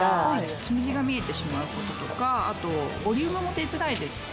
つむじが見えてしまう事とかあとボリュームも出づらいですし。